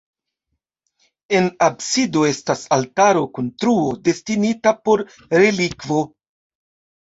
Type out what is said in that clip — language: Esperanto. En absido estas altaro kun truo destinita por relikvo.